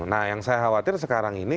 nah yang saya khawatir sekarang ini